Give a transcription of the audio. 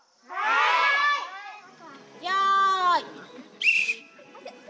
よい。